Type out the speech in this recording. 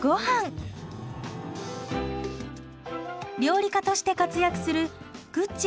料理家として活躍するぐっち